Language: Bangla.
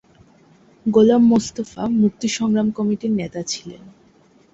গোলাম মোস্তফা মুক্তি সংগ্রাম কমিটির নেতা ছিলেন।